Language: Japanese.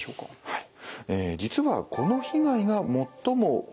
はい。